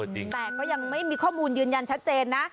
แต่ก็ยังไม่มีข้อมูลยืนยันชัดเจนนะ